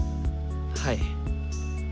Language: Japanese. はい。